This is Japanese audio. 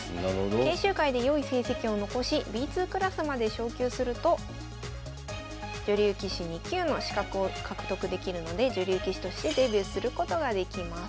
研修会で良い成績を残しＢ２クラスまで昇級すると女流棋士２級の資格を獲得できるので女流棋士としてデビューすることができます。